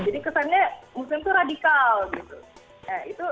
jadi kesannya muslim itu radikal gitu